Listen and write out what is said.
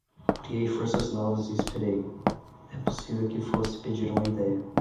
Criei forças novas e esperei...é possível que fosse pedir uma ideia...